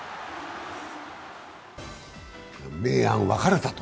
明暗分かれたと。